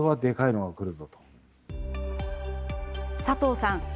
佐藤さん